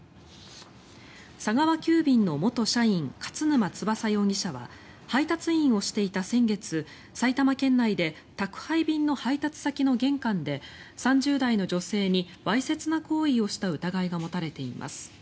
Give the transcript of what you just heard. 佐川急便の元社員勝沼翼容疑者は配達員をしていた先月埼玉県内で宅配便の配達先の玄関で３０代の女性にわいせつな行為をした疑いが持たれています。